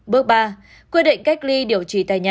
bước ba quy định cách ly điều trị tại nhà